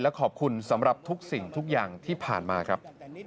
ขอบคุณสำหรับทุกสิ่งทุกอย่างที่ผ่านมาครับ